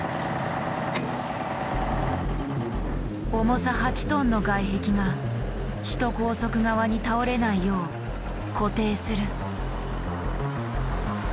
重さ８ｔの外壁が首都高速側に倒れないよう固定する。